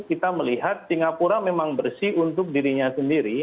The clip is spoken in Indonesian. kita melihat singapura memang bersih untuk dirinya sendiri